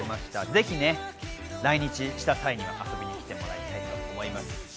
ぜひね、来日した際には遊びに来てもらいたいと思います。